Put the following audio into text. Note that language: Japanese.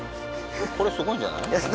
これすごいんじゃない？